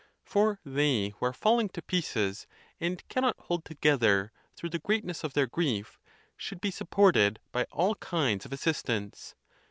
For they who are falling to pieces, and cannot hold together through the greatness of their grief, should be sapported by all kinds of assistance.